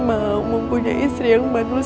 mau mempunyai istri yang manis